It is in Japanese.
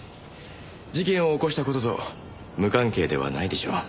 事件を起こした事と無関係ではないでしょう。